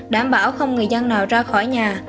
đảm bảo không người dân nào ra khỏi nhà